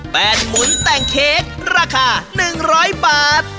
แปดหมุนแต่งเค้กราคา๑๐๐บาท